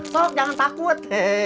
sok jangan takut